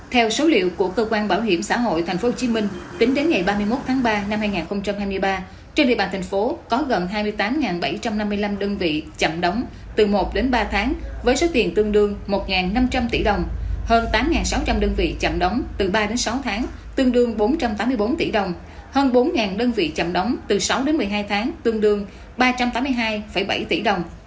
theo số liệu của cơ quan bảo hiểm xã hội tp hcm tính đến ngày ba mươi một tháng ba năm hai nghìn hai mươi ba trên địa bàn thành phố có gần hai mươi tám bảy trăm năm mươi năm đơn vị chậm đóng từ một đến ba tháng với số tiền tương đương một năm trăm linh tỷ đồng hơn tám sáu trăm linh đơn vị chậm đóng từ ba đến sáu tháng tương đương bốn trăm tám mươi bốn tỷ đồng hơn bốn đơn vị chậm đóng từ sáu đến một mươi hai tháng tương đương ba trăm tám mươi hai bảy tỷ đồng